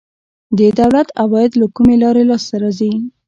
د دولت عواید له کومې لارې لاسته راځي؟